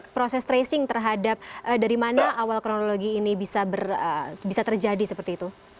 proses tracing terhadap dari mana awal kronologi ini bisa terjadi seperti itu